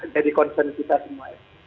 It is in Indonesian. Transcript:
jadi konsens kita semua ya